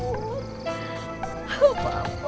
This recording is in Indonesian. oh apaan tuh